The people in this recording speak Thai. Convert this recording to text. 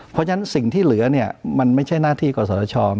เพราะฉะนั้นสิ่งที่เหลือเนี่ยมันไม่ใช่หน้าที่กศช